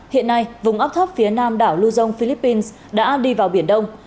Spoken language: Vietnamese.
hiện nay vùng ấp thấp phía nam đảo lưu dông philippines đã đi vào biển đông